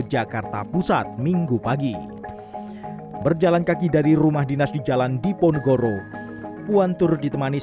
jakarta pusat minggu pagi berjalan kaki dari rumah dinas di jalan diponegoro puan turut ditemani